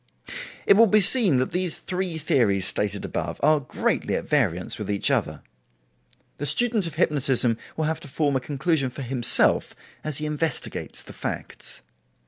It will be seen that these three theories stated above are greatly at variance with each other. The student of hypnotism will have to form a conclusion for himself as he investigates the facts.